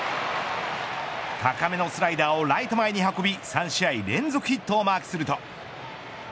高めのスライダーをライト前に運び３試合連続ヒットをマークすると。